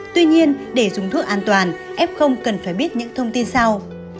tuy nhiên để dùng thuốc an toàn f cần phải biết những thông tin sau